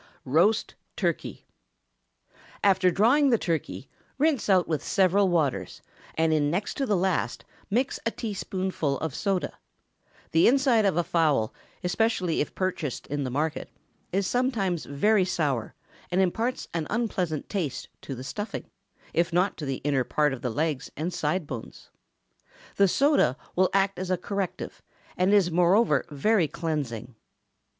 ROAST TURKEY. After drawing the turkey, rinse out with several waters, and in next to the last mix a teaspoonful of soda. The inside of a fowl, especially if purchased in the market, is sometimes very sour, and imparts an unpleasant taste to the stuffing, if not to the inner part of the legs and side bones. The soda will act as a corrective, and is moreover very cleansing.